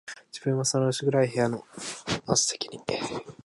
自分はその薄暗い部屋の末席に、